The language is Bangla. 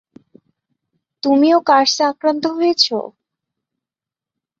তুমিও কার্সে আক্রান্ত হয়েছো?